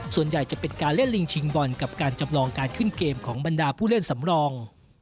ส่วนใหญ่จะเป็นการเล่นลิงชิงบอลกับการจำลองการขึ้นเกมของบรรดาผู้เล่นสำรอง